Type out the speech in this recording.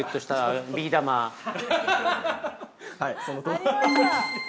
◆ありました。